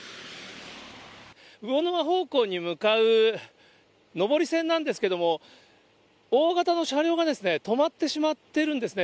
魚沼方向に向かう上り線なんですけれども、大型の車両が止まってしまってるんですね。